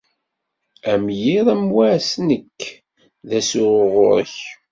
Am yiḍ am wass, nekk, d asuɣu ɣur-k.